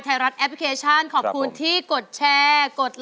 ด้านล่างเขาก็มีความรักให้กันนั่งหน้าตาชื่นบานมากเลยนะคะ